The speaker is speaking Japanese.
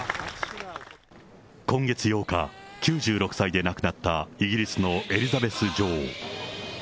今月８日、９６歳で亡くなったイギリスのエリザベス女王。